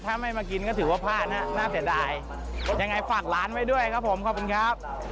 ถ้าไม่มากินถือว่าผ่านครับน่าเป็นใดยังไงฝัดล้านไว้ด้วยครับผมขอบคุณครับ